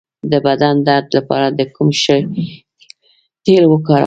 د بدن درد لپاره د کوم شي تېل وکاروم؟